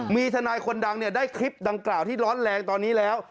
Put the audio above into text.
มีทนายคนดังได้คลิปดังกล่าวที่ร้อนแรงตอนนี้แล้ว